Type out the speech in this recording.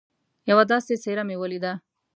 یوه داسي څهره مې ولیده